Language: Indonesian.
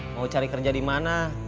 mau cari kerja di mana